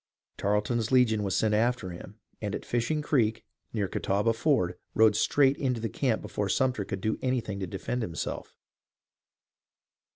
Tarleton's legion was sent after him, and at Fishing Creek, near Catawba Ford, rode straight into the camp before Sumter could do anything to defend him self.